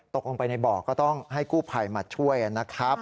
ตกลงไปในบ่อก็ต้องให้กู้ภัยมาช่วยนะครับ